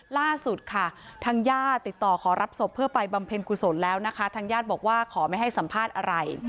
ล่าสุดค่ะทางญาติติดต่อขอรับศพเพื่อไปบำเพ็ญกุศลแล้วนะคะทางญาติบอกว่าขอไม่ให้สัมภาษณ์อะไร